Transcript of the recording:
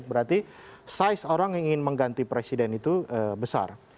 berarti size orang yang ingin mengganti presiden itu besar